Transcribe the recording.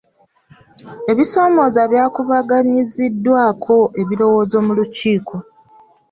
Ebisoomooza byakubaganyiziddwako ebirowoozo mu lukiiko.